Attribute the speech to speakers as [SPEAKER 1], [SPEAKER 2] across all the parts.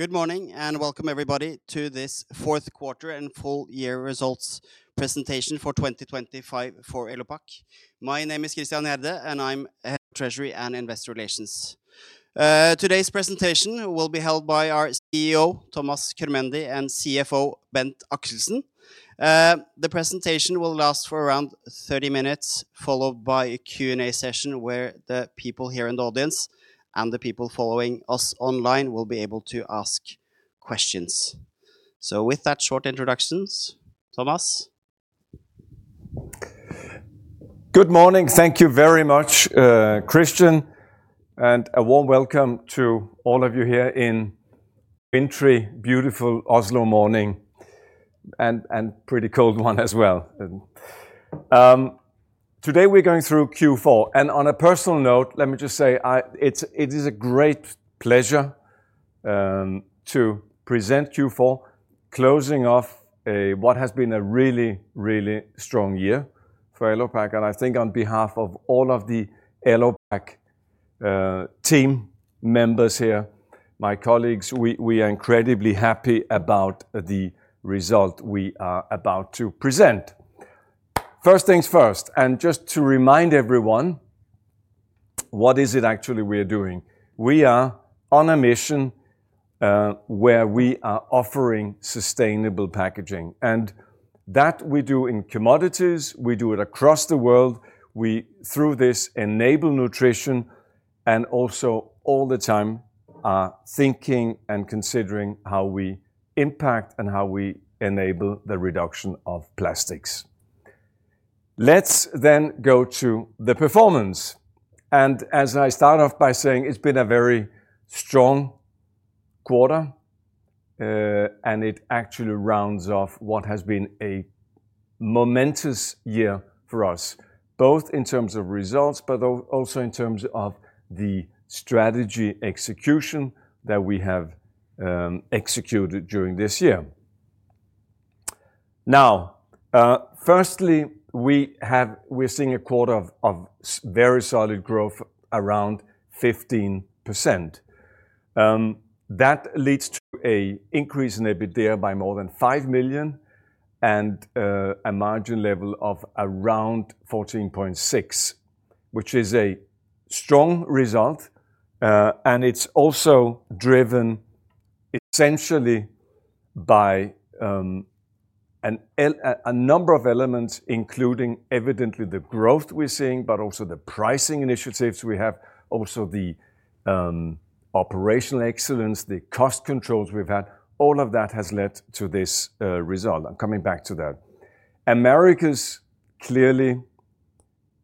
[SPEAKER 1] Good morning and welcome, everybody, to this fourth quarter and full-year results presentation for 2025 for Elopak. My name is Christian Gjerde, and I'm Head of Treasury and Investor Relations. Today's presentation will be held by our CEO, Thomas Körmendi, and CFO, Bent K. Axelsen. The presentation will last for around 30 minutes, followed by a Q&A session where the people here in the audience and the people following us online will be able to ask questions. So with that short introductions, Thomas.
[SPEAKER 2] Good morning. Thank you very much, Christian, and a warm welcome to all of you here in wintry, beautiful Oslo morning, and pretty cold one as well. Today we're going through Q4, and on a personal note, let me just say, it's a great pleasure to present Q4, closing off what has been a really, really strong year for Elopak. I think on behalf of all of the Elopak team members here, my colleagues, we are incredibly happy about the result we are about to present. First things first, and just to remind everyone, what is it actually we are doing? We are on a mission, where we are offering sustainable packaging, and that we do in commodities, we do it across the world, through this enable nutrition, and also all the time, thinking and considering how we impact and how we enable the reduction of plastics. Let's then go to the performance. As I start off by saying, it's been a very strong quarter, and it actually rounds off what has been a momentous year for us, both in terms of results, but also in terms of the strategy execution that we have executed during this year. Now, firstly, we're seeing a quarter of very solid growth around 15%. That leads to an increase in EBITDA by more than 5 million and a margin level of around 14.6%, which is a strong result, and it's also driven essentially by a number of elements, including evidently the growth we're seeing, but also the pricing initiatives we have, also the operational excellence, the cost controls we've had. All of that has led to this result. I'm coming back to that. America's clearly,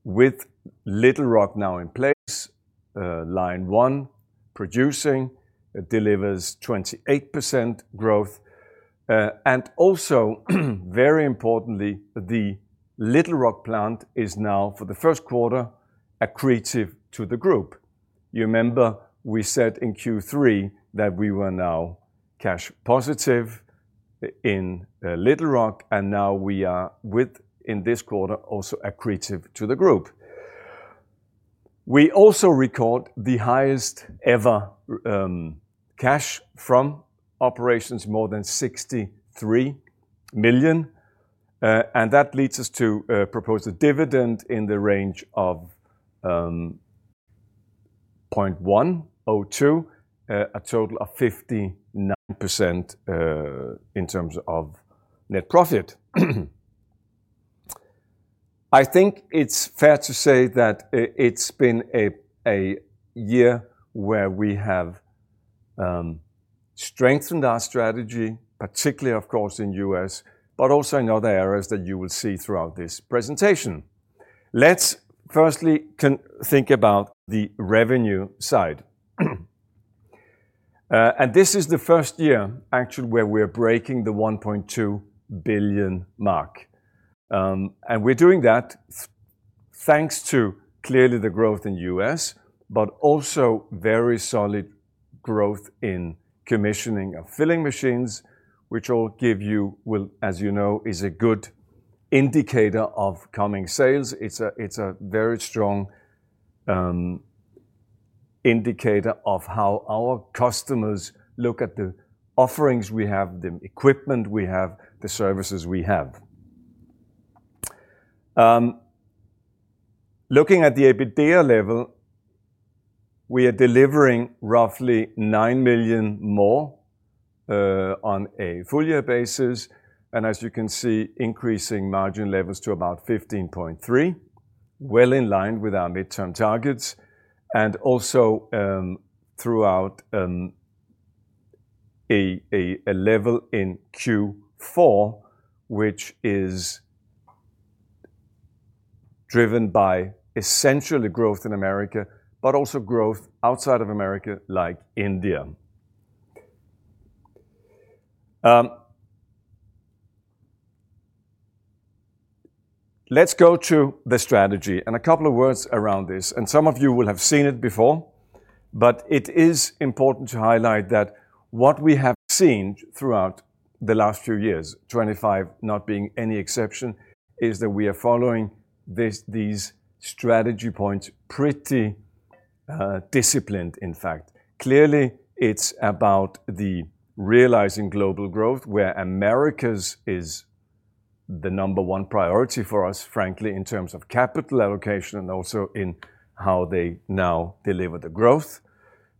[SPEAKER 2] with Little Rock now in place, line one producing, it delivers 28% growth, and also, very importantly, the Little Rock plant is now, for the first quarter, accretive to the group. You remember we said in Q3 that we were now cash positive in Little Rock, and now we are, with, in this quarter, also accretive to the group. We also record the highest ever cash from operations, more than 63 million, and that leads us to propose a dividend in the range of 0.102, a total of 59%, in terms of net profit. I think it's fair to say that it's been a year where we have strengthened our strategy, particularly, of course, in the U.S., but also in other areas that you will see throughout this presentation. Let's firstly think about the revenue side. This is the first year, actually, where we are breaking the 1.2 billion mark. We're doing that thanks to, clearly, the growth in the U.S., but also very solid growth in commissioning of filling machines, which all give you will, as you know is a good indicator of coming sales. It's a, it's a very strong indicator of how our customers look at the offerings we have, the equipment we have, the services we have. Looking at the EBITDA level, we are delivering roughly 9 million more, on a full-year basis, and as you can see, increasing margin levels to about 15.3%, well in line with our midterm targets, and also throughout a level in Q4, which is driven by essentially growth in America, but also growth outside of America, like India. Let's go to the strategy and a couple of words around this, and some of you will have seen it before, but it is important to highlight that what we have seen throughout the last few years, 2025 not being any exception, is that we are following these strategy points pretty disciplined, in fact. Clearly, it's about the realizing global growth, where Americas is the number one priority for us, frankly, in terms of capital allocation and also in how they now deliver the growth,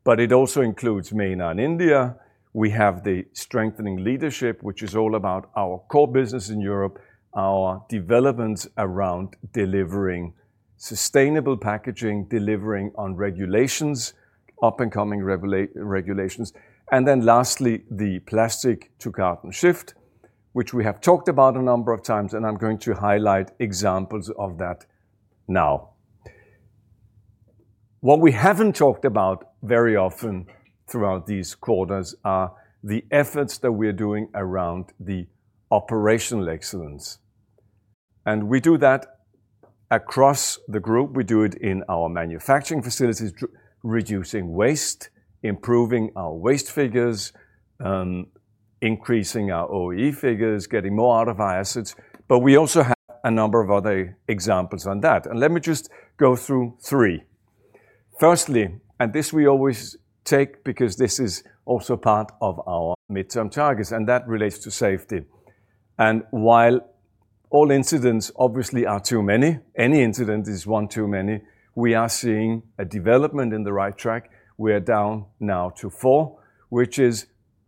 [SPEAKER 2] but it also includes MENA and India. We have the strengthening leadership, which is all about our core business in Europe, our developments around delivering sustainable packaging, delivering on regulations, up-and-coming regulations, and then lastly, the plastic-to-carton shift, which we have talked about a number of times, and I'm going to highlight examples of that now. What we haven't talked about very often throughout these quarters are the efforts that we are doing around the operational excellence. We do that across the group. We do it in our Manufacturing facilities, reducing waste, improving our waste figures, increasing our OEE figures, getting more out of our assets, but we also have a number of other examples on that. Let me just go through three. Firstly, and this we always take because this is also part of our midterm targets, and that relates to safety. While all incidents obviously are too many, any incident is one too many, we are seeing a development in the right track. We are down now to four, which is,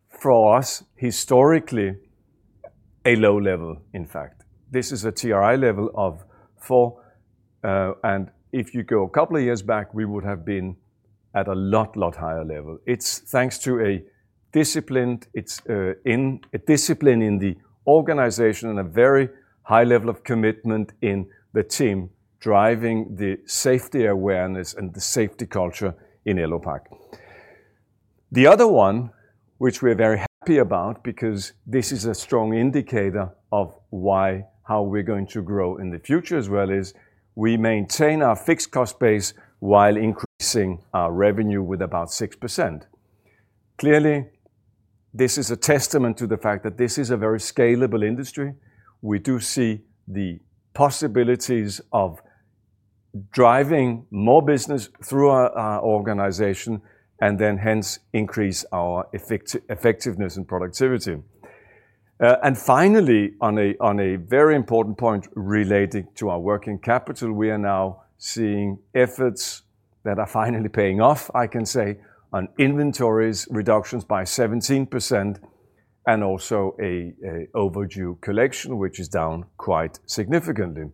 [SPEAKER 2] for us, historically, a low level, in fact. This is a TRI level of four, and if you go a couple of years back, we would have been at a lot, lot higher level. It's thanks to a discipline in the organization and a very high level of commitment in the team driving the safety awareness and the safety culture in Elopak. The other one, which we are very happy about because this is a strong indicator of how we're going to grow in the future as well, is we maintain our fixed cost base while increasing our revenue with about 6%. Clearly, this is a testament to the fact that this is a very scalable industry. We do see the possibilities of driving more business through our organization and then hence increase our effectiveness and productivity. And finally, on a very important point relating to our working capital, we are now seeing efforts that are finally paying off, I can say, on inventories, reductions by 17%, and also an overdue collection, which is down quite significantly.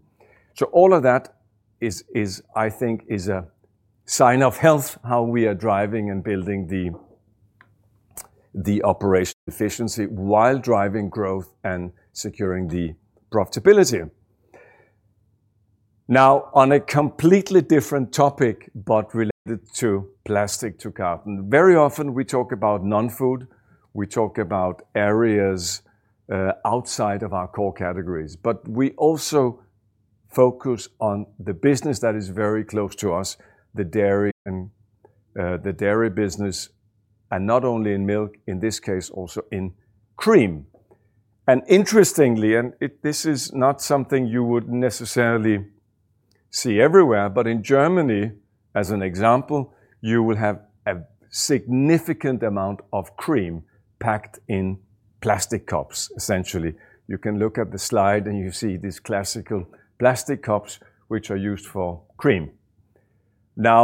[SPEAKER 2] So all of that is, I think, a sign of health, how we are driving and building the operational efficiency while driving growth and securing the profitability. Now, on a completely different topic, but related to plastic-to-carton, very often we talk about non-food, we talk about areas outside of our core categories, but we also focus on the business that is very close to us, the dairy and the dairy business, and not only in milk, in this case, also in cream. And interestingly, and it this is not something you would necessarily see everywhere, but in Germany, as an example, you will have a significant amount of cream packed in plastic cups, essentially. You can look at the slide and you see these classical plastic cups, which are used for cream. Now,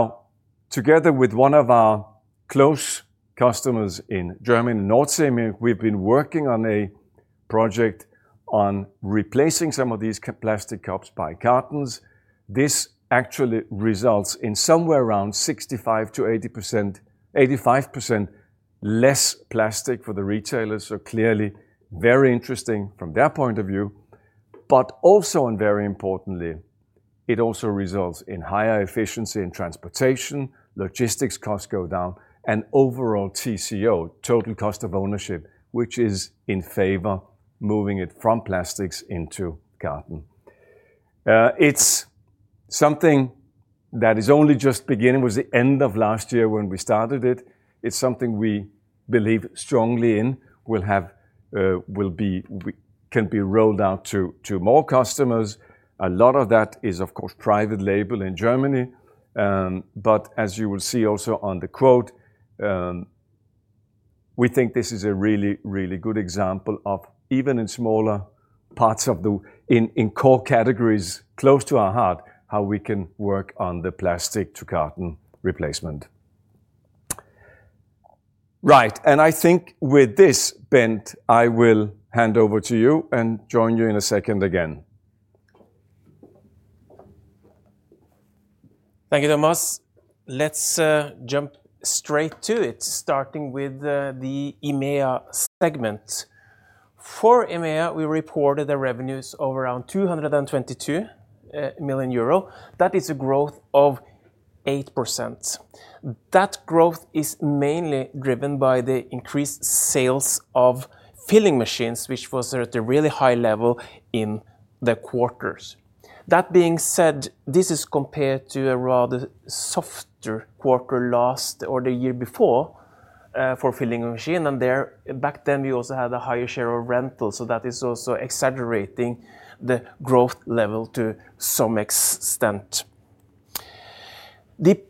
[SPEAKER 2] together with one of our close customers in Germany, NordseeMilch, we've been working on a project on replacing some of these plastic cups by cartons. This actually results in somewhere around 65%-85% less plastic for the retailers, so clearly very interesting from their point of view, but also, and very importantly, it also results in higher efficiency in transportation, logistics costs go down, and overall TCO, total cost of ownership, which is in favor of moving it from plastics into carton. It's something that is only just beginning. It was the end of last year when we started it. It's something we believe strongly in, will have, will be, can be rolled out to, to more customers. A lot of that is, of course, private label in Germany, but as you will see also on the quote, we think this is a really, really good example of, even in smaller parts of the core categories close to our heart, how we can work on the plastic-to-carton replacement. Right, and I think with this, Bent, I will hand over to you and join you in a second again.
[SPEAKER 3] Thank you, Thomas. Let's jump straight to it, starting with the IMEA segment. For IMEA, we reported revenues of around 222 million euro. That is a growth of 8%. That growth is mainly driven by the increased sales of filling machines, which was at a really high level in the quarters. That being said, this is compared to a rather softer quarter last or the year before, for filling machine, and there, back then, we also had a higher share of rentals, so that is also exaggerating the growth level to some extent. The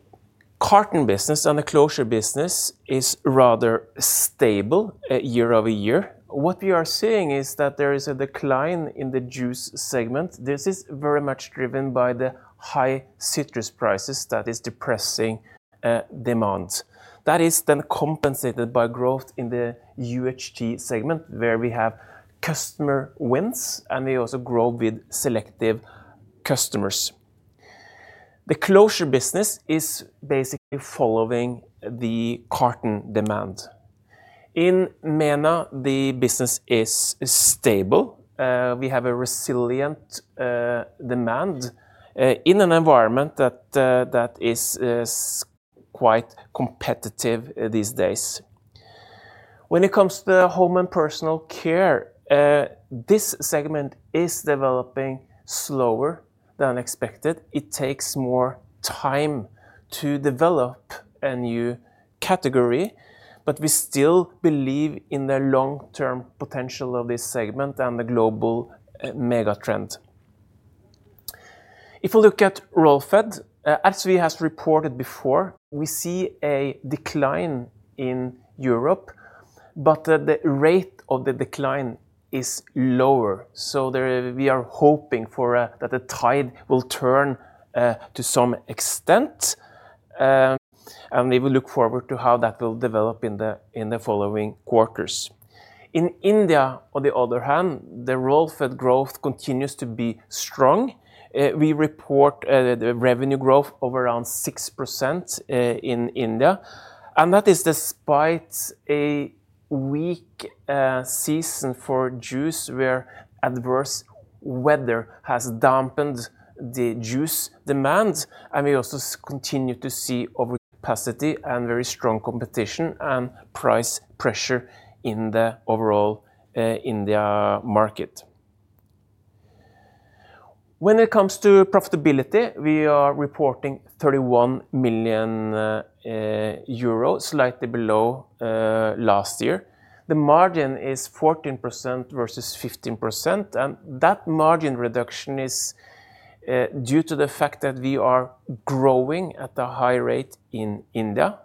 [SPEAKER 3] carton business and the closure business is rather stable year-over-year. What we are seeing is that there is a decline in the juice segment. This is very much driven by the high citrus prices that are depressing demand. That is then compensated by growth in the UHT segment, where we have customer wins, and we also grow with selective customers. The closure business is basically following the carton demand. In MENA, the business is stable. We have a resilient demand in an environment that is quite competitive these days. When it comes to home and personal care, this segment is developing slower than expected. It takes more time to develop a new category, but we still believe in the long-term potential of this segment and the global megatrend. If we look at roll-fed, as we have reported before, we see a decline in Europe, but the rate of the decline is lower, so we are hoping that the tide will turn, to some extent, and we will look forward to how that will develop in the following quarters. In India, on the other hand, the roll-fed growth continues to be strong. We report the revenue growth of around 6% in India, and that is despite a weak season for juice, where adverse weather has dampened the juice demand, and we also continue to see overcapacity and very strong competition and price pressure in the overall India market. When it comes to profitability, we are reporting 31 million euro, slightly below last year. The margin is 14% versus 15%, and that margin reduction is due to the fact that we are growing at a high rate in India,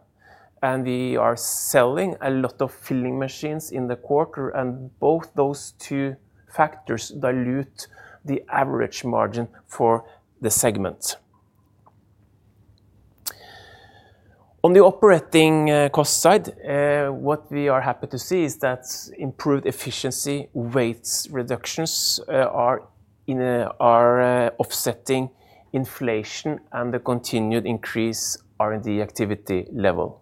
[SPEAKER 3] and we are selling a lot of filling machines in the quarter, and both those two factors dilute the average margin for the segment. On the operating cost side, what we are happy to see is that improved efficiency rates reductions are offsetting inflation and the continued increase in R&D activity level.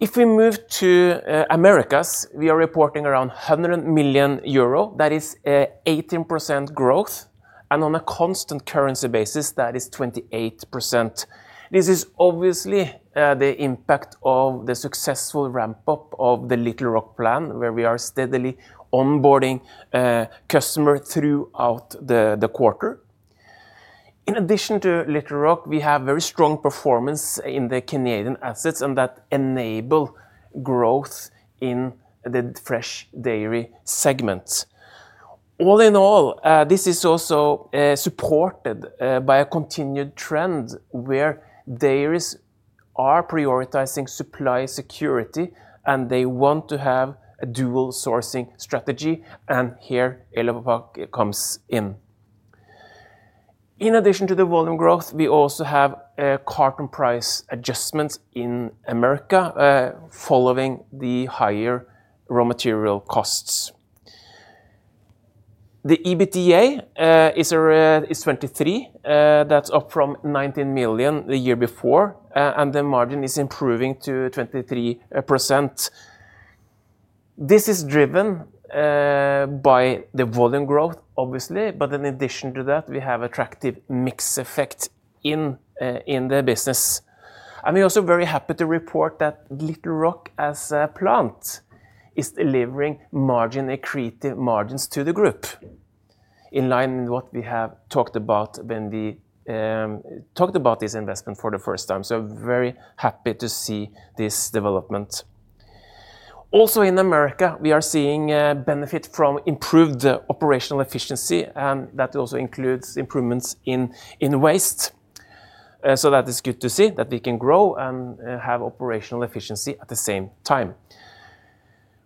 [SPEAKER 3] If we move to Americas, we are reporting around 100 million euro. That is 18% growth, and on a constant currency basis, that is 28%. This is obviously the impact of the successful ramp-up of the Little Rock plant, where we are steadily onboarding customers throughout the quarter. In addition to Little Rock, we have very strong performance in the Canadian assets, and that enables growth in the fresh dairy segment. All in all, this is also supported by a continued trend where dairies are prioritizing supply security, and they want to have a dual sourcing strategy, and here Elopak comes in. In addition to the volume growth, we also have carton price adjustments in America, following the higher raw material costs. The EBITDA is 23, that's up from 19 million the year before, and the margin is improving to 23%. This is driven by the volume growth, obviously, but in addition to that, we have an attractive mix effect in the business. And we are also very happy to report that Little Rock, as a plant, is delivering margin-accretive margins to the group, in line with what we have talked about when we talked about this investment for the first time, so very happy to see this development. Also in America, we are seeing benefit from improved operational efficiency, and that also includes improvements in waste, so that is good to see, that we can grow and have operational efficiency at the same time.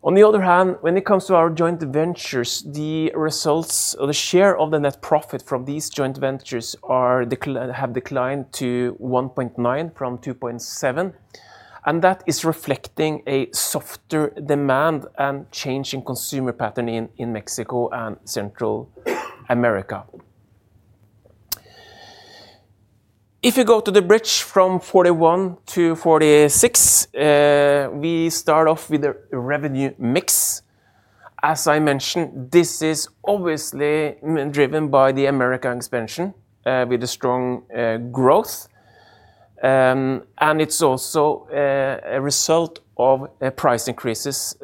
[SPEAKER 3] On the other hand, when it comes to our joint ventures, the results or the share of the net profit from these joint ventures have declined to 1.9 from 2.7, and that is reflecting a softer demand and changing consumer pattern in Mexico and Central America. If we go to the bridge from 2021 to 2026, we start off with a revenue mix. As I mentioned, this is obviously driven by the America expansion, with a strong growth, and it's also a result of price increases,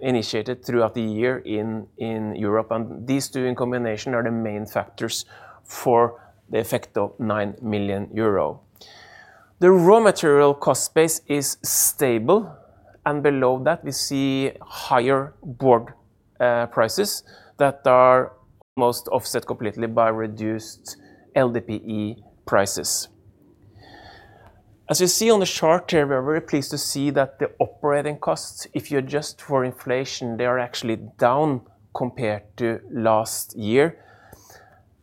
[SPEAKER 3] initiated throughout the year in Europe, and these two in combination are the main factors for the effect of 9 million euro. The raw material cost base is stable, and below that, we see higher board prices that are almost offset completely by reduced LDPE prices. As you see on the chart here, we are very pleased to see that the operating costs, if you adjust for inflation, they are actually down compared to last year,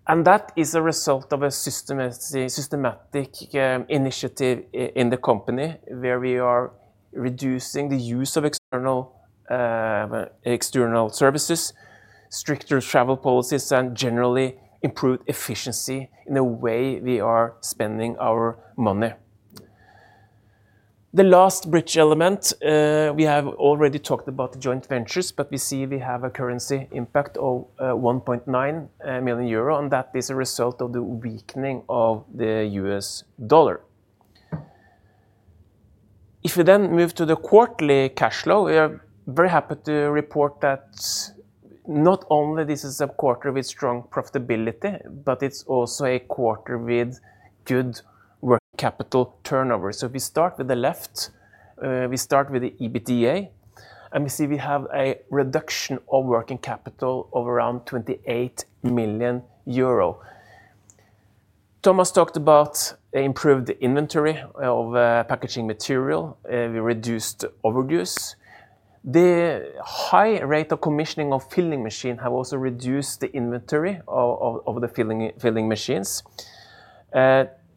[SPEAKER 3] and that is a result of a systematic initiative in the company, where we are reducing the use of external services, stricter travel policies, and generally improved efficiency in the way we are spending our money. The last bridge element, we have already talked about the joint ventures, but we see we have a currency impact of 1.9 million euro, and that is a result of the weakening of the U.S. dollar. If we then move to the quarterly cash flow, we are very happy to report that not only is this a quarter with strong profitability, but it's also a quarter with good working capital turnover. So if we start with the left, we start with the EBITDA, and we see we have a reduction of working capital of around 28 million euro. Thomas talked about improved inventory of packaging material. We reduced overdues. The high rate of commissioning of filling machines has also reduced the inventory of the filling machines.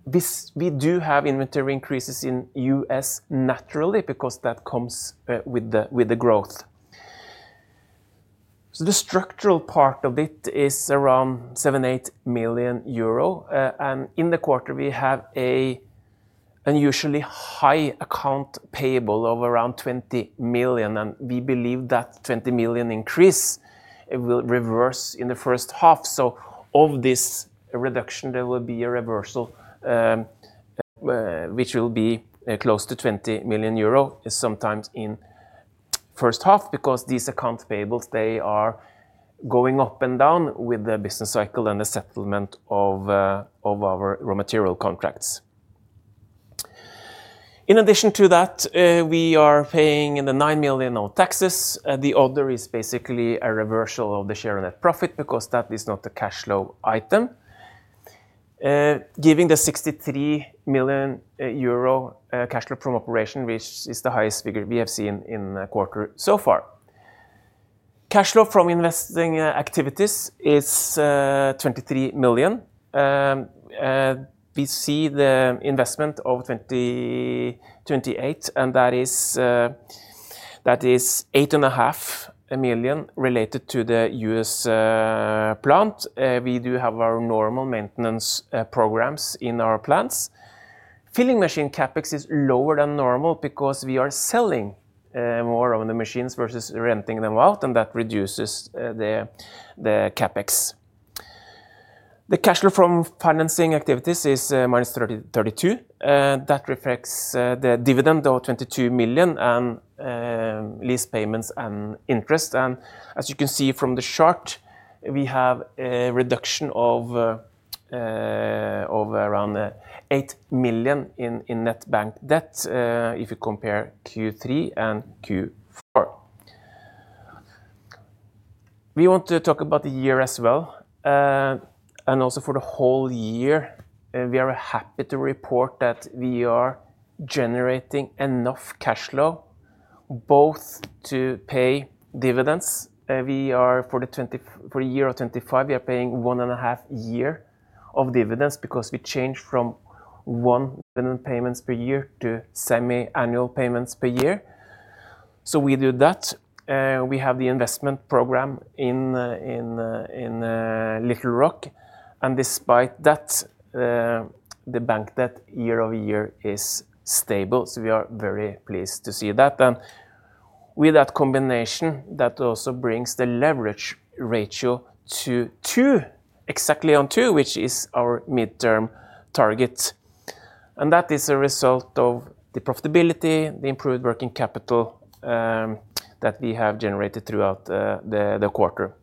[SPEAKER 3] We do have inventory increases in the U.S. naturally, because that comes with the growth. So the structural part of it is around 7-8 million euro, and in the quarter, we have an unusually high accounts payable of around 20 million, and we believe that 20 million increase will reverse in the first half, so of this reduction, there will be a reversal, which will be close to 20 million euro, sometime in the first half, because these accounts payables, they are going up and down with the business cycle and the settlement of our raw material contracts. In addition to that, we are paying the 9 million of taxes. The other is basically a reversal of the share of net profit, because that is not a cash flow item, giving the 63 million euro cash flow from operations, which is the highest figure we have seen in the quarter so far. Cash flow from investing activities is 23 million. We see the investment of 2028, and that is 8.5 million related to the U.S. plant. We do have our normal maintenance programs in our plants. Filling machine CapEx is lower than normal, because we are selling more of the machines versus renting them out, and that reduces the CapEx. The cash flow from financing activities is minus 32 million. That reflects the dividend of 22 million and lease payments and interest, and as you can see from the chart, we have a reduction of around 8 million in net bank debt, if you compare Q3 and Q4. We want to talk about the year as well, and also for the whole year, we are happy to report that we are generating enough cash flow, both to pay dividends. We are for the year of 2025, we are paying 1.5 year of dividends, because we changed from one dividend payments per year to semi-annual payments per year, so we do that. We have the investment program in Little Rock, and despite that, the bank debt year-over-year is stable, so we are very pleased to see that, and with that combination, that also brings the leverage ratio to two, exactly on two, which is our mid-term target, and that is a result of the profitability, the improved working capital, that we have generated throughout the quarter.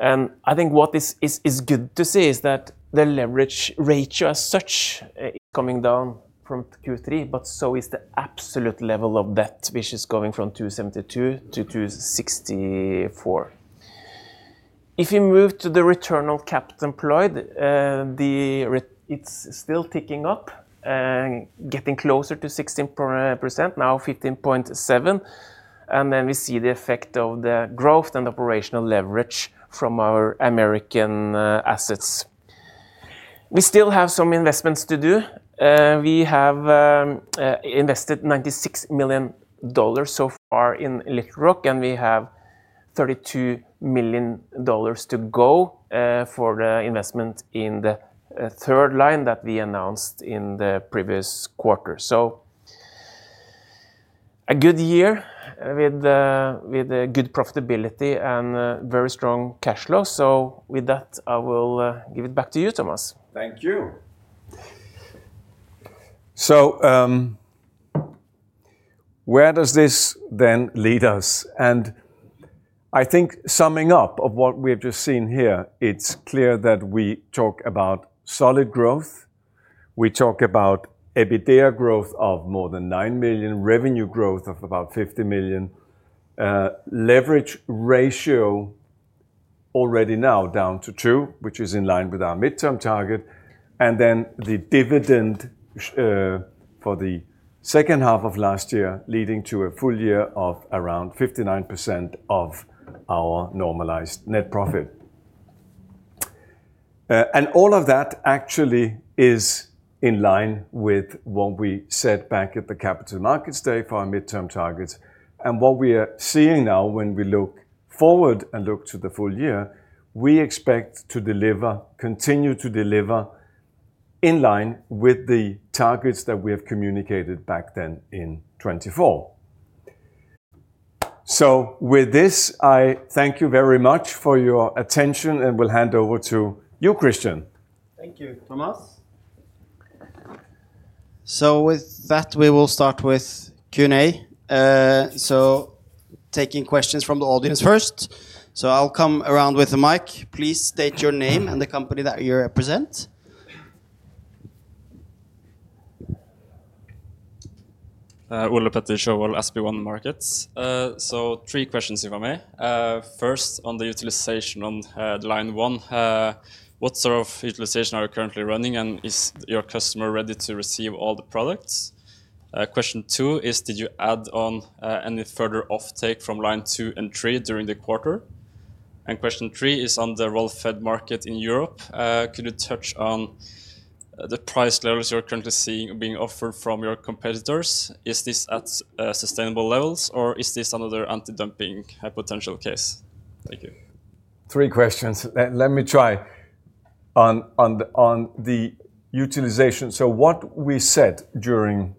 [SPEAKER 3] And I think what is good to see is that the leverage ratio as such is coming down from Q3, but so is the absolute level of debt, which is going from 272-264. If we move to the return on capital employed, it's still ticking up, getting closer to 16%, now 15.7%, and then we see the effect of the growth and operational leverage from our American assets. We still have some investments to do. We have invested $96 million so far in Little Rock, and we have $32 million to go, for the investment in the third line that we announced in the previous quarter, so a good year with good profitability and very strong cash flow, so with that, I will give it back to you, Thomas.
[SPEAKER 2] Thank you. So, where does this then lead us? I think summing up of what we have just seen here, it's clear that we talk about solid growth, we talk about EBITDA growth of more than 9 million, revenue growth of about 50 million, leverage ratio already now down to 2, which is in line with our mid-term target, and then the dividend, for the second half of last year, leading to a full year of around 59% of our normalized net profit. All of that actually is in line with what we said back at the Capital Markets Day for our mid-term targets, and what we are seeing now when we look forward and look to the full year, we expect to deliver, continue to deliver, in line with the targets that we have communicated back then in 2024. So with this, I thank you very much for your attention, and we'll hand over to you, Christian.
[SPEAKER 1] Thank you, Thomas. So with that, we will start with Q&A. Taking questions from the audience first, I'll come around with the mic. Please state your name and the company that you represent.
[SPEAKER 4] Ole-Petter Sjøvold, SpareBank 1 Markets. Three questions, if I may. First, on the utilization, on line one, what sort of utilization are you currently running, and is your customer ready to receive all the products? Question two is, did you add on any further offtake from line two and three during the quarter? And question three is on the Roll-fed market in Europe. Could you touch on the price levels you're currently seeing being offered from your competitors? Is this at sustainable levels, or is this another anti-dumping high potential case? Thank you. Three questions.
[SPEAKER 2] Let me try. On the utilization, so what we said during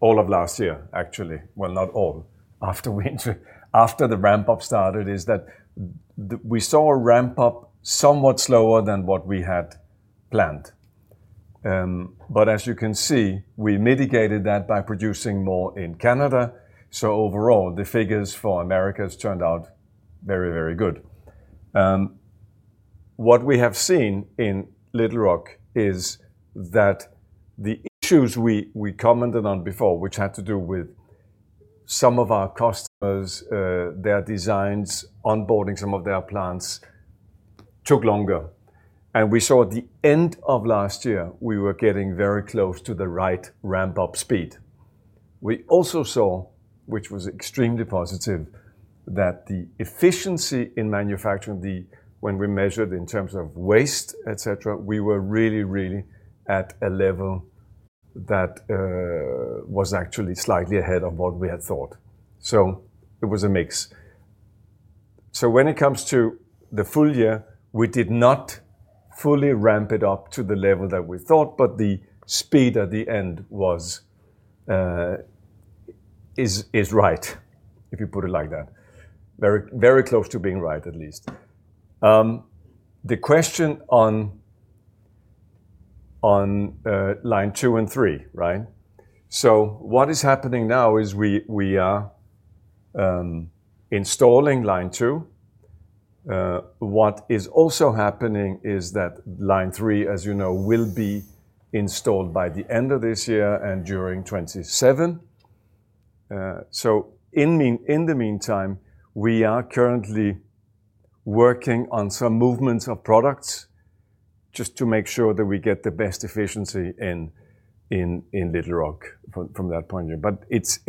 [SPEAKER 2] all of last year, actually, well, not all, after winter, after the ramp-up started, is that we saw a ramp-up somewhat slower than what we had planned. But as you can see, we mitigated that by producing more in Canada, so overall, the figures for America have turned out very, very good. What we have seen in Little Rock is that the issues we commented on before, which had to do with some of our customers, their designs, onboarding some of their plants, took longer, and we saw at the end of last year, we were getting very close to the right ramp-up speed. We also saw, which was extremely positive, that the efficiency in manufacturing, when we measured in terms of waste, etc., we were really, really at a level that was actually slightly ahead of what we had thought. So it was a mix. So when it comes to the full year, we did not fully ramp it up to the level that we thought, but the speed at the end was right, if you put it like that. Very, very close to being right, at least. The question on line two and three, right? So what is happening now is we are installing line two. What is also happening is that line three, as you know, will be installed by the end of this year and during 2027. So in the meantime, we are currently working on some movements of products, just to make sure that we get the best efficiency in Little Rock from that point of view. But it's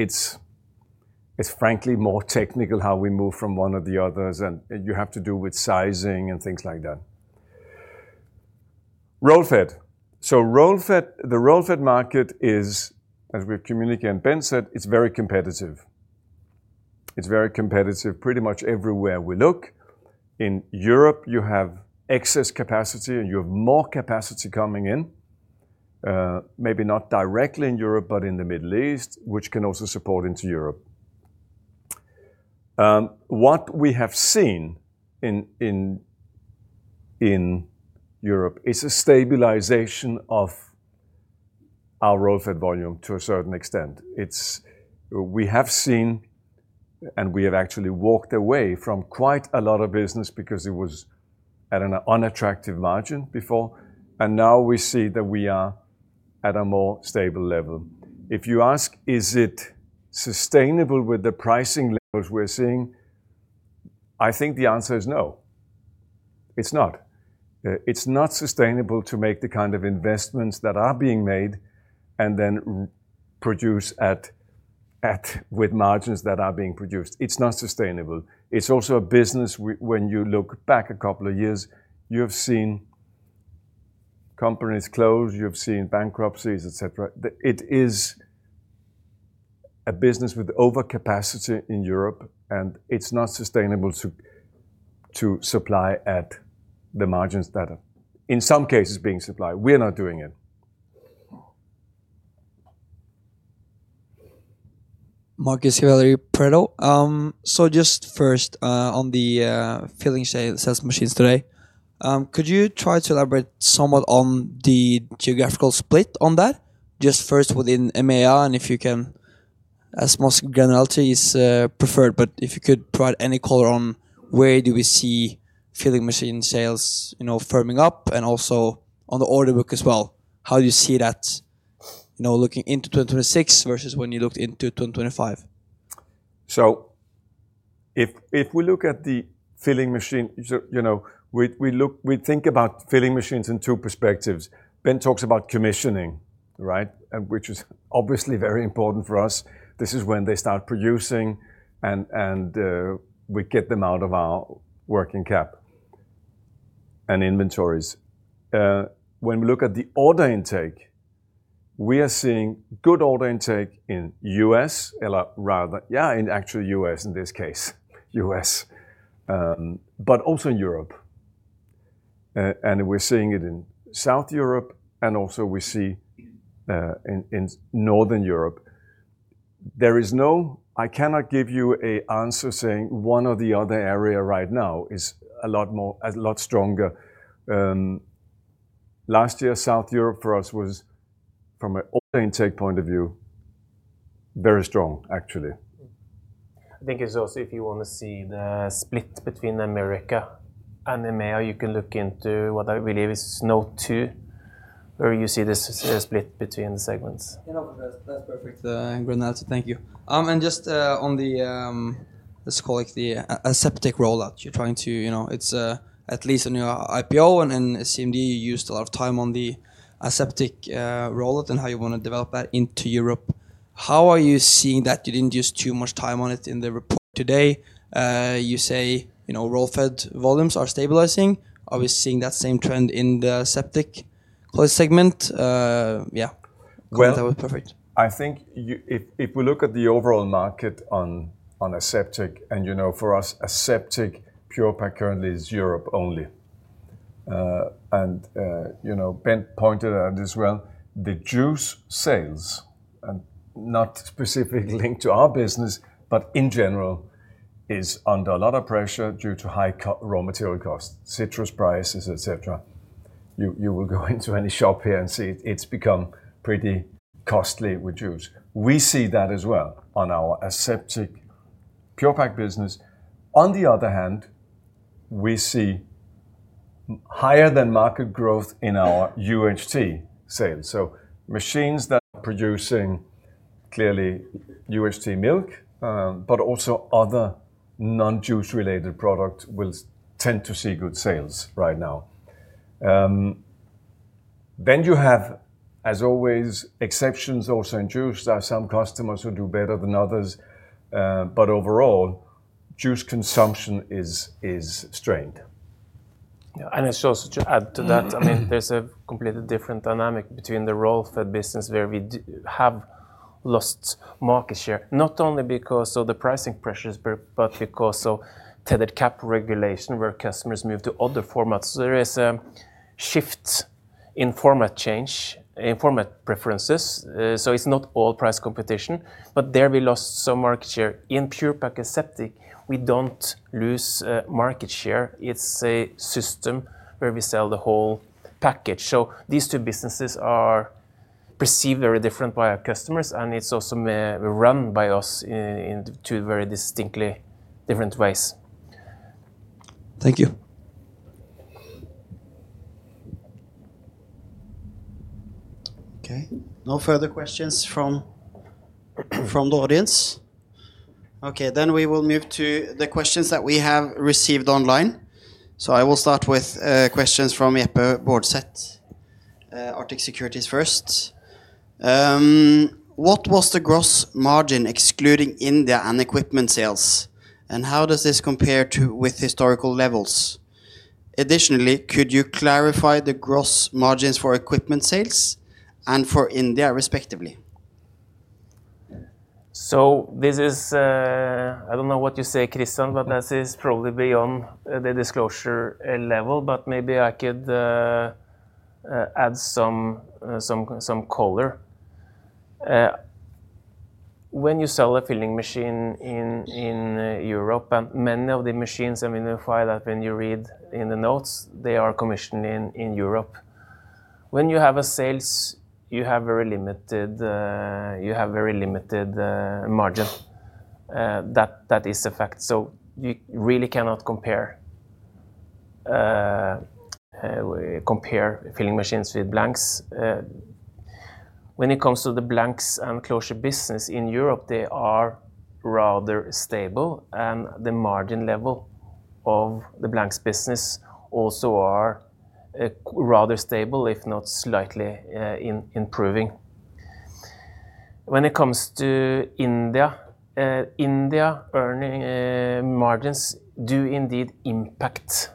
[SPEAKER 2] frankly more technical how we move from one or the others, and you have to do with sizing and things like that. Roll-fed. So Roll-fed, the Roll-fed market is, as we've communicated and Ben said, it's very competitive. It's very competitive pretty much everywhere we look. In Europe, you have excess capacity, and you have more capacity coming in, maybe not directly in Europe, but in the Middle East, which can also support into Europe. What we have seen in Europe is a stabilization of our Roll-fed volume to a certain extent. We have seen, and we have actually walked away from quite a lot of business because it was at an unattractive margin before, and now we see that we are at a more stable level. If you ask, is it sustainable with the pricing levels we're seeing, I think the answer is no. It's not. It's not sustainable to make the kind of investments that are being made and then produce at with margins that are being produced. It's not sustainable. It's also a business, when you look back a couple of years, you have seen companies close, you have seen bankruptcies, etc. It is a business with overcapacity in Europe, and it's not sustainable to supply at the margins that are, in some cases, being supplied. We are not doing it.
[SPEAKER 5] Marcus Gavelli, Pareto. So just first, on the filling sales machines today, could you try to elaborate somewhat on the geographical split on that? Just first within MAR, and if you can, as much generality is preferred, but if you could provide any color on where do we see filling machine sales, you know, firming up, and also on the order book as well, how do you see that, you know, looking into 2026 versus when you looked into 2025?
[SPEAKER 2] So if we look at the filling machine, you know, we look, we think about filling machines in two perspectives. Bent talks about commissioning, right, which is obviously very important for us. This is when they start producing, and we get them out of our working cap and inventories. When we look at the order intake, we are seeing good order intake in the U.S., rather, yeah, in actual U.S. in this case, U.S., but also in Europe. And we're seeing it in South Europe, and also we see in Northern Europe. There is no, I cannot give you an answer saying one or the other area right now is a lot more, a lot stronger. Last year, South Europe for us was, from an order intake point of view, very strong, actually.
[SPEAKER 3] I think it's also, if you want to see the split between America and MAR, you can look into what I believe is slide two, where you see this split between the segments.
[SPEAKER 5] Yeah, no, that's perfect, Grenello, thank you. And just on the, let's call it the aseptic rollout, you're trying to, you know, it's at least on your IPO and CMD, you used a lot of time on the aseptic rollout and how you want to develop that into Europe. How are you seeing that? You didn't use too much time on it in the report today. You say, you know, roll-fed volumes are stabilizing. Are we seeing that same trend in the aseptic closed segment? Yeah, that would be perfect.
[SPEAKER 2] Well, I think if we look at the overall market on aseptic, and you know, for us, aseptic Pure-Pak currently is Europe only. And, you know, Bent pointed out as well, the juice sales, and not specifically linked to our business, but in general, is under a lot of pressure due to high raw material costs, citrus prices, etc. You will go into any shop here and see it's become pretty costly with juice. We see that as well on our aseptic Pure-Pak business. On the other hand, we see higher than market growth in our UHT sales. So machines that are producing clearly UHT milk, but also other non-juice related products will tend to see good sales right now. Then you have, as always, exceptions also in juice. There are some customers who do better than others, but overall, juice consumption is strained.
[SPEAKER 3] Yeah, and it's also to add to that, I mean, there's a completely different dynamic between the roll-fed business where we have lost market share, not only because of the pricing pressures, but because of tethered cap regulation, where customers move to other formats. So there is a shift in format change, in format preferences. So it's not all price competition, but there we lost some market share. In pure pack aseptic, we don't lose market share. It's a system where we sell the whole package. So these two businesses are perceived very different by our customers, and it's also run by us in two very distinctly different ways.
[SPEAKER 1] Thank you. Okay. No further questions from the audience. Okay, then we will move to the questions that we have received online. So I will start with questions from Jeppe Baardseth, Arctic Securities first. What was the gross margin excluding India and equipment sales, and how does this compare to historical levels? Additionally, could you clarify the gross margins for equipment sales and for India, respectively?
[SPEAKER 3] So this is, I don't know what you say, Christian, but this is probably beyond the disclosure level, but maybe I could add some color. When you sell a filling machine in Europe, and many of the machines, and we notify that when you read in the notes, they are commissioned in Europe. When you have a sales, you have very limited, you have very limited margin. That is a fact. So you really cannot compare filling machines with blanks. When it comes to the blanks and closure business in Europe, they are rather stable, and the margin level of the blanks business also is rather stable, if not slightly improving. When it comes to India, India earning margins do indeed impact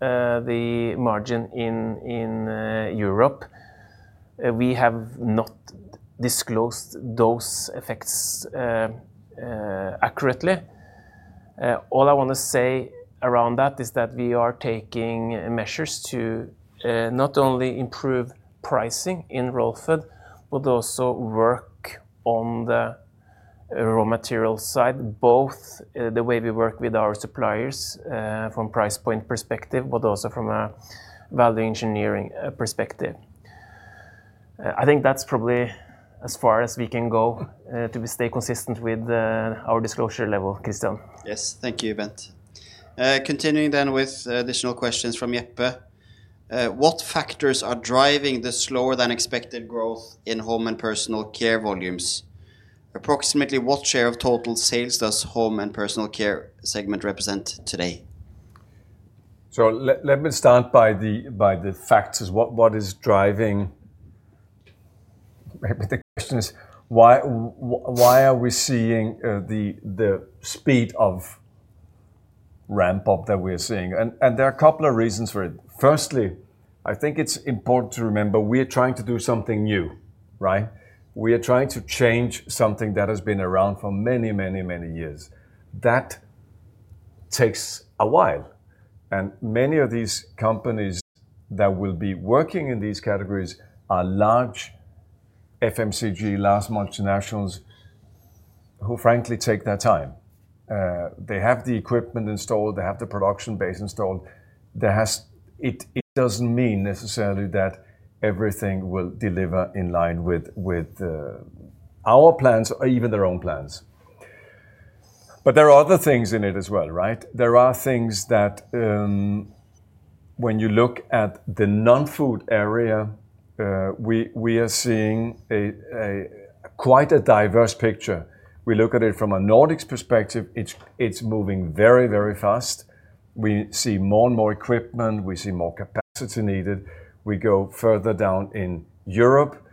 [SPEAKER 3] the margin in Europe. We have not disclosed those effects accurately. All I want to say around that is that we are taking measures to not only improve pricing in Roll-fed, but also work on the raw material side, both the way we work with our suppliers from a price point perspective, but also from a value engineering perspective. I think that's probably as far as we can go to stay consistent with our disclosure level, Christian.
[SPEAKER 1] Yes, thank you, Bent. Continuing then with additional questions from Jeppe. What factors are driving the slower-than-expected growth in home and personal care volumes? Approximately what share of total sales does home and personal care segment represent today?
[SPEAKER 2] So let me start by the facts. What is driving? The question is, why are we seeing the speed of ramp-up that we're seeing? And there are a couple of reasons for it. Firstly, I think it's important to remember we are trying to do something new, right? We are trying to change something that has been around for many, many, many years. That takes a while. And many of these companies that will be working in these categories are large FMCG, large multinationals who, frankly, take their time. They have the equipment installed, they have the production base installed. It doesn't mean necessarily that everything will deliver in line with our plans or even their own plans. But there are other things in it as well, right? There are things that when you look at the non-food area, we are seeing quite a diverse picture. We look at it from a Nordics perspective. It's moving very, very fast. We see more and more equipment, we see more capacity needed. We go further down in Europe.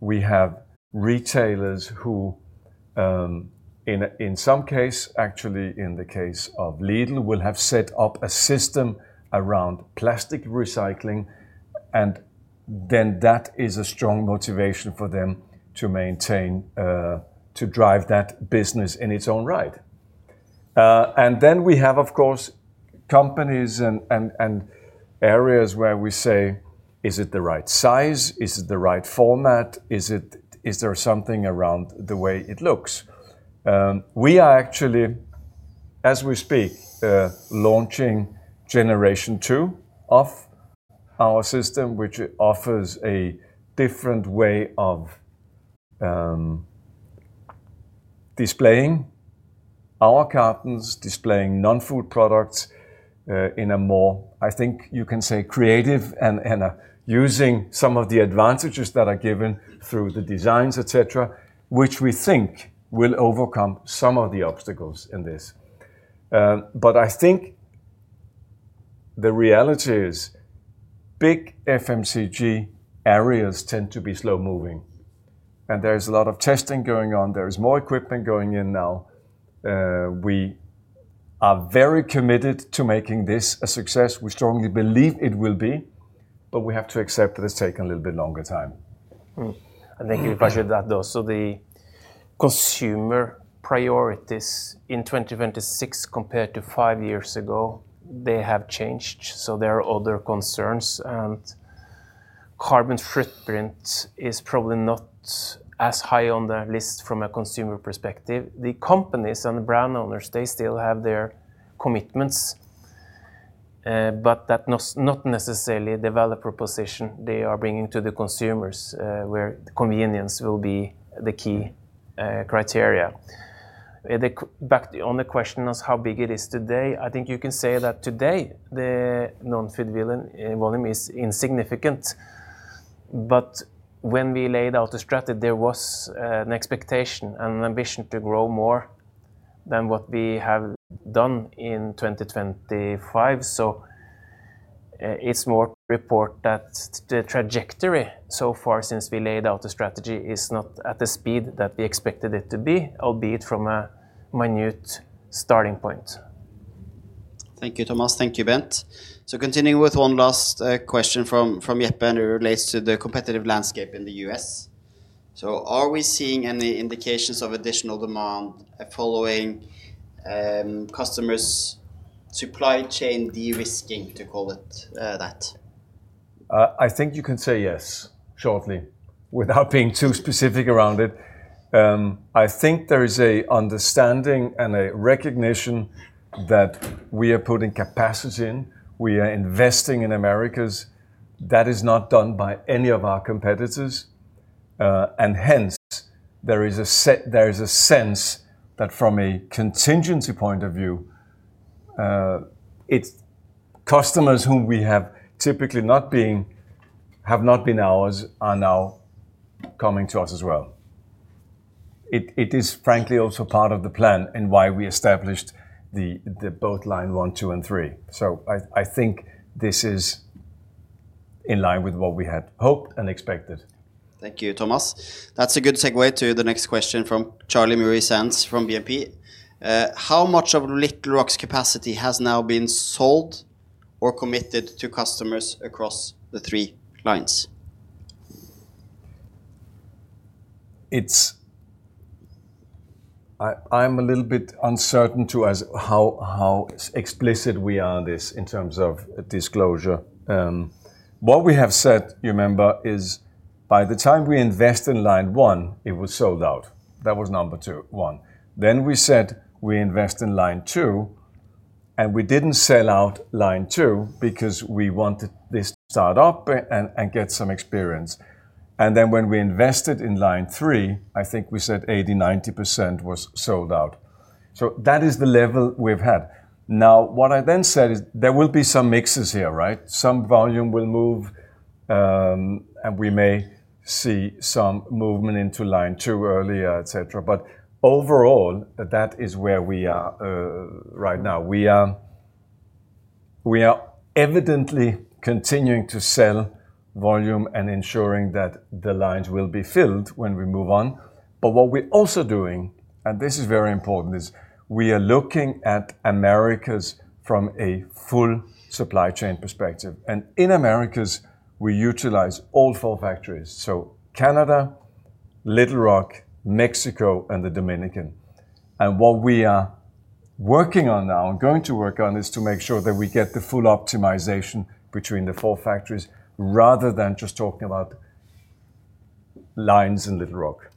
[SPEAKER 2] We have retailers who, in some cases, actually in the case of Lidl, will have set up a system around plastic recycling, and then that is a strong motivation for them to maintain, to drive that business in its own right. And then we have, of course, companies and areas where we say, is it the right size? Is it the right format? Is there something around the way it looks? We are actually, as we speak, launching Generation 2 of our system, which offers a different way of displaying our cartons, displaying non-food products in a more, I think you can say, creative and using some of the advantages that are given through the designs, etc., which we think will overcome some of the obstacles in this. But I think the reality is big FMCG areas tend to be slow-moving, and there is a lot of testing going on. There is more equipment going in now. We are very committed to making this a success. We strongly believe it will be, but we have to accept that it's taken a little bit longer time.
[SPEAKER 3] I think you've measured that, though. So the consumer priorities in 2026 compared to five years ago, they have changed. So there are other concerns, and carbon footprint is probably not as high on the list from a consumer perspective. The companies and the brand owners, they still have their commitments, but that's not necessarily the developer position they are bringing to the consumers, where convenience will be the key criteria. Back on the question of how big it is today, I think you can say that today the non-food volume is insignificant. But when we laid out the strategy, there was an expectation and an ambition to grow more than what we have done in 2025. So it's more to report that the trajectory so far since we laid out the strategy is not at the speed that we expected it to be, albeit from a minute starting point.
[SPEAKER 1] Thank you, Thomas. Thank you, Bent. So continuing with one last question from Jeppe and relates to the competitive landscape in the U.S. So are we seeing any indications of additional demand following customers' supply chain de-risking, to call it that?
[SPEAKER 2] I think you can say yes, shortly, without being too specific around it. I think there is an understanding and a recognition that we are putting capacity in, we are investing in Americas. That is not done by any of our competitors. Hence, there is a sense that from a contingency point of view, customers whom we have typically not been ours are now coming to us as well. It is, frankly, also part of the plan and why we established the boat line one, two, and three. I think this is in line with what we had hoped and expected.
[SPEAKER 1] Thank you, Thomas. That's a good segue to the next question from Charlie Muir-Sands from BNP. How much of Little Rock's capacity has now been sold or committed to customers across the three lines?
[SPEAKER 2] I'm a little bit uncertain as to how explicit we are on this in terms of disclosure. What we have said, you remember, is by the time we invested in line one, it was sold out. That was number two, one. Then we said we invest in line two, and we didn't sell out line two because we wanted this to start up and get some experience. And then when we invested in line three, I think we said 80%-90% was sold out. So that is the level we've had. Now, what I then said is there will be some mixes here, right? Some volume will move, and we may see some movement into line two earlier, etc. But overall, that is where we are right now. We are evidently continuing to sell volume and ensuring that the lines will be filled when we move on. But what we're also doing, and this is very important, is we are looking at America from a full supply chain perspective. And in America, we utilize all four factories. So Canada, Little Rock, Mexico, and the Dominican Republic. And what we are working on now and going to work on is to make sure that we get the full optimization between the four factories rather than just talking about lines in Little Rock.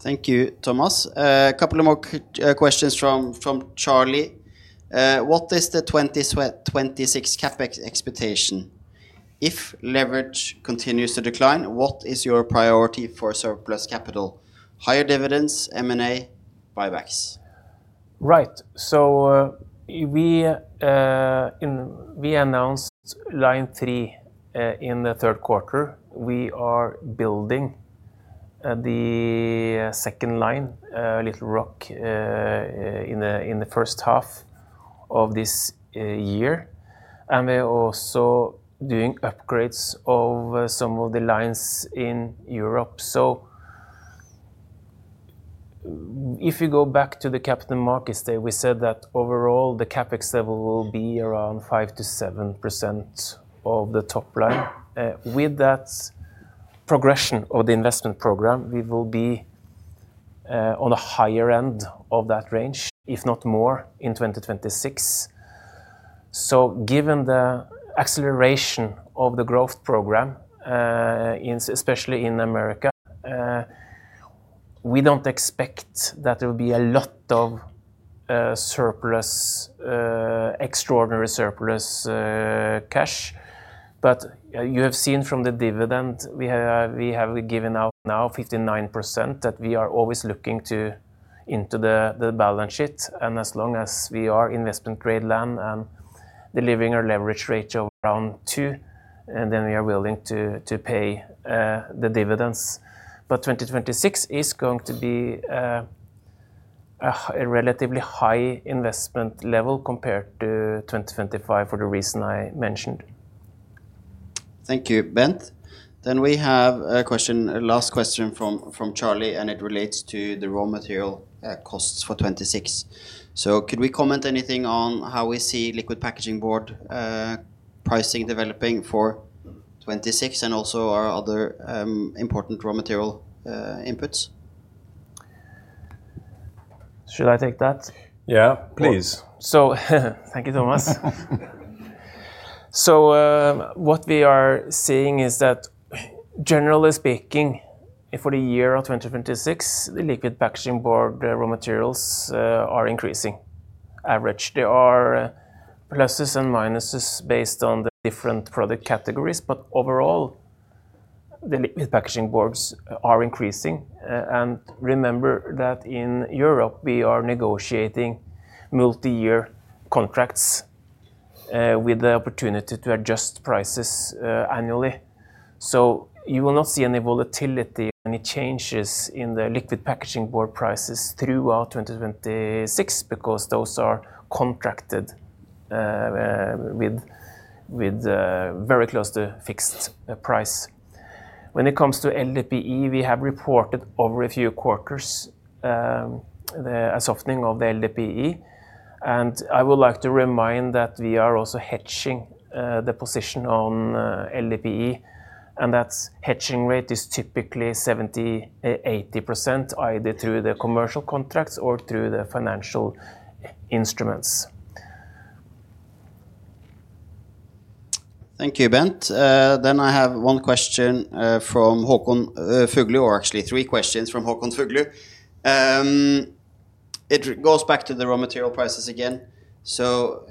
[SPEAKER 1] Thank you, Thomas. A couple of more questions from Charlie. What is the 2026 CapEx expectation? If leverage continues to decline, what is your priority for surplus capital? Higher dividends, M&A, buybacks?
[SPEAKER 3] Right. So we announced line three in the third quarter. We are building the second line, Little Rock, in the first half of this year. And we're also doing upgrades of some of the lines in Europe. So if you go back to the Capital Markets day, we said that overall, the CapEx level will be around 5%-7% of the top line. With that progression of the investment program, we will be on the higher end of that range, if not more, in 2026. So given the acceleration of the growth program, especially in America, we don't expect that there will be a lot of surplus, extraordinary surplus cash. But you have seen from the dividend we have given out now, 59%, that we are always looking into the balance sheet. And as long as we are investment-grade and delivering our leverage rate around two, then we are willing to pay the dividends. But 2026 is going to be a relatively high investment level compared to 2025 for the reason I mentioned.
[SPEAKER 1] Thank you, Bent. Then we have a question, a last question from Charlie, and it relates to the raw material costs for 2026. So could we comment anything on how we see liquid packaging board pricing developing for 2026 and also our other important raw material inputs?
[SPEAKER 3] Should I take that?
[SPEAKER 2] Yeah, please.
[SPEAKER 3] So thank you, Thomas. So what we are seeing is that, generally speaking, for the year of 2026, the liquid packaging board raw materials are increasing, average. There are pluses and minuses based on the different product categories, but overall, the liquid packaging boards are increasing. And remember that in Europe, we are negotiating multi-year contracts with the opportunity to adjust prices annually. So you will not see any volatility, any changes in the liquid packaging board prices throughout 2026 because those are contracted with very close to fixed price. When it comes to LDPE, we have reported over a few quarters a softening of the LDPE. I would like to remind that we are also hedging the position on LDPE, and that hedging rate is typically 70%-80%, either through the commercial contracts or through the financial instruments.
[SPEAKER 1] Thank you, Bent. Then I have one question from Håkon Fuglu, or actually three questions from Håkon Fuglu. It goes back to the raw material prices again. So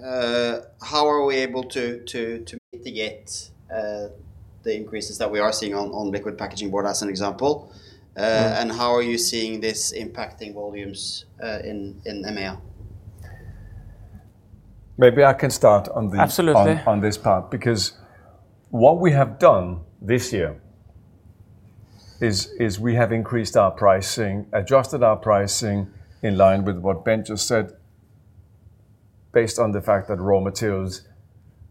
[SPEAKER 1] how are we able to mitigate the increases that we are seeing on liquid packaging board, as an example? And how are you seeing this impacting volumes in MEA?
[SPEAKER 2] Maybe I can start on this part because what we have done this year is we have increased our pricing, adjusted our pricing in line with what Bent just said based on the fact that raw materials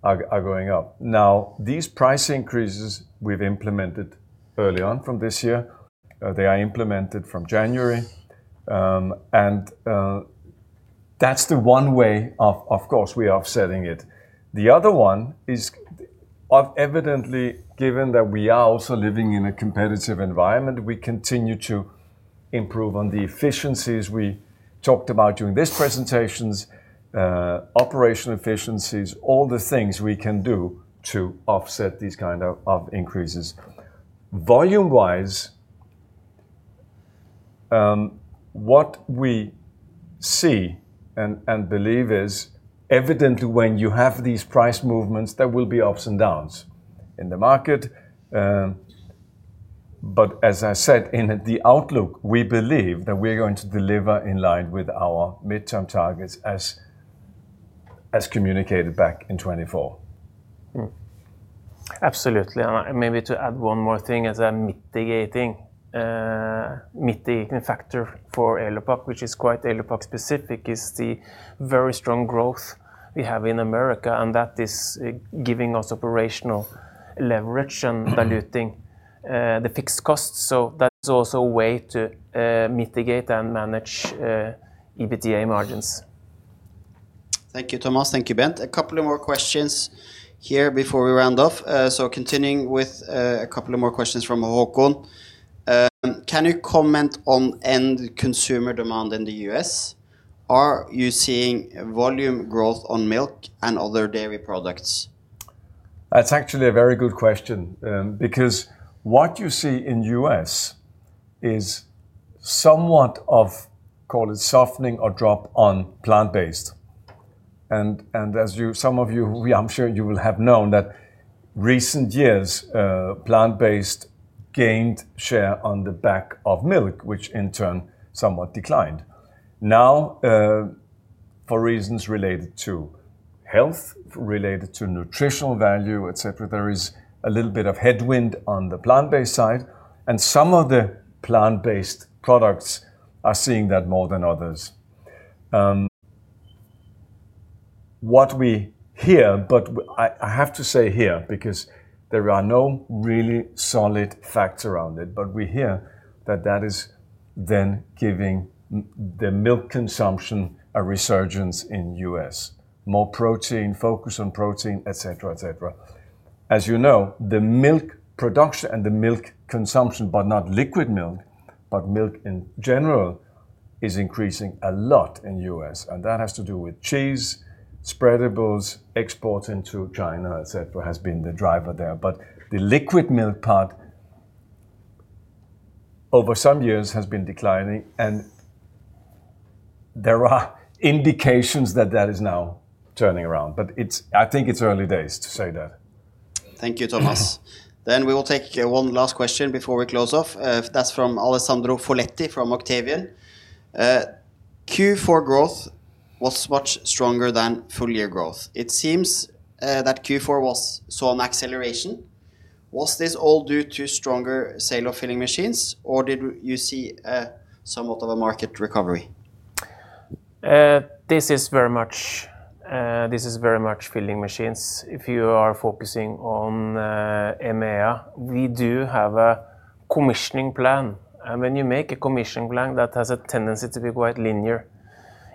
[SPEAKER 2] are going up. Now, these price increases we've implemented early on from this year. They are implemented from January. And that's the one way, of course, we are offsetting it. The other one is, evidently, given that we are also living in a competitive environment, we continue to improve on the efficiencies we talked about during these presentations, operational efficiencies, all the things we can do to offset these kinds of increases. Volume-wise, what we see and believe is, evidently, when you have these price movements, there will be ups and downs in the market. But as I said, in the outlook, we believe that we're going to deliver in line with our midterm targets as communicated back in 2024.
[SPEAKER 3] Absolutely. And maybe to add one more thing as a mitigating factor for Elopak, which is quite Elopak-specific, is the very strong growth we have in America, and that is giving us operational leverage and diluting the fixed costs. So that's also a way to mitigate and manage EBITDA margins.
[SPEAKER 1] Thank you, Thomas. Thank you, Bent. A couple of more questions here before we round off. So continuing with a couple of more questions from Håkon. Can you comment on end-consumer demand in the U.S.? Are you seeing volume growth on milk and other dairy products?
[SPEAKER 2] That's actually a very good question because what you see in the U.S. is somewhat of, call it softening or drop on plant-based. And as some of you, I'm sure you will have known, that recent years, plant-based gained share on the back of milk, which in turn somewhat declined. Now, for reasons related to health, related to nutritional value, etc., there is a little bit of headwind on the plant-based side, and some of the plant-based products are seeing that more than others. What we hear, but I have to say here because there are no really solid facts around it, but we hear that that is then giving the milk consumption a resurgence in the U.S., more protein, focus on protein, etc., etc. As you know, the milk production and the milk consumption, but not liquid milk, but milk in general, is increasing a lot in the U.S. And that has to do with cheese, spreadables, exports into China, etc., has been the driver there. But the liquid milk part, over some years, has been declining, and there are indications that that is now turning around. But I think it's early days to say that.
[SPEAKER 1] Thank you, Thomas. Then we will take one last question before we close off. That's from Alessandro Falcetti from Octavian. Q4 growth was much stronger than full-year growth. It seems that Q4 saw an acceleration. Was this all due to stronger sale of filling machines, or did you see somewhat of a market recovery?
[SPEAKER 3] This is very much filling machines. If you are focusing on MEA, we do have a commissioning plan. And when you make a commissioning plan, that has a tendency to be quite linear.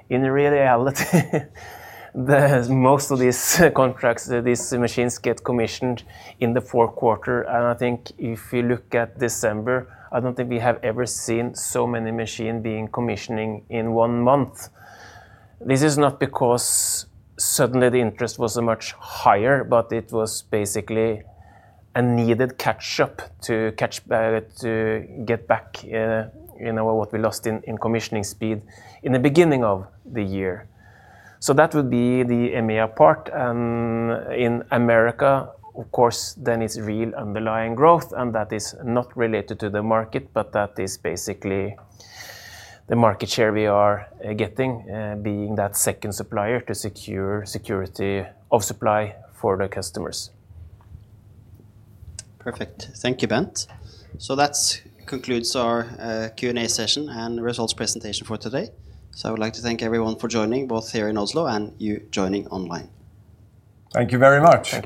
[SPEAKER 3] In reality, most of these contracts, these machines get commissioned in the fourth quarter. And I think if you look at December, I don't think we have ever seen so many machines being commissioning in one month. This is not because suddenly the interest was so much higher, but it was basically a needed catch-up to get back what we lost in commissioning speed in the beginning of the year. So that would be the MEA part. In America, of course, then it's real underlying growth, and that is not related to the market, but that is basically the market share we are getting, being that second supplier to secure security of supply for the customers.
[SPEAKER 1] Perfect. Thank you, Bent. That concludes our Q&A session and results presentation for today. I would like to thank everyone for joining, both here in Oslo and you joining online.
[SPEAKER 2] Thank you very much.